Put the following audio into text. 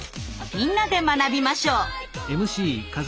みんなで学びましょう！